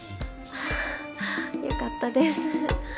あぁよかったです。